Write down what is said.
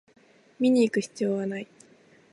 見にいく必要はない